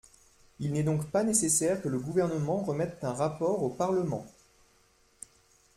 Il n’est donc pas nécessaire que le Gouvernement remette un rapport au Parlement.